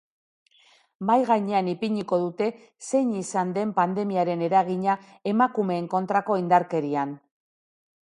Mahai gainean ipiniko dute zein izan den pandemiaren eragina emakumeen kontrako indarkerian.